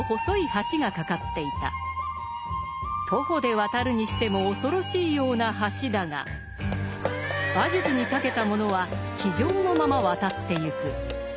徒歩で渡るにしても恐ろしいような橋だが馬術にたけた者は騎乗のまま渡ってゆく。